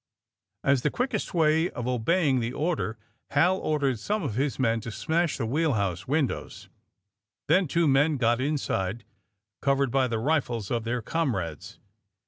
As the quickest way of obeying the order Hal ordered some of his men to smash the wheel house windows. Then two men got inside, cov ered by the rifles of their comrades.